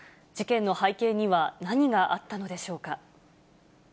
事件の背景には何があったのでしょうか。